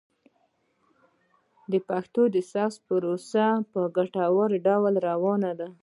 د پښتو د ثبت پروسه په ګټور ډول روانه ده.